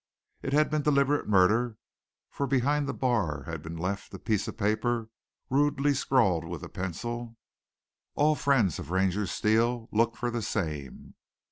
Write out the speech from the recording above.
It had been deliberate murder, for behind the bar had been left a piece of paper rudely scrawled with a pencil: "All friends of Ranger Steele look for the same."